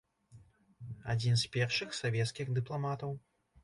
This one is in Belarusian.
Адзін з першых савецкіх дыпламатаў.